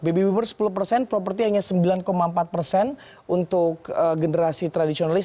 baby beber sepuluh persen properti hanya sembilan empat persen untuk generasi tradisionalis